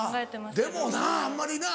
でもなあんまりな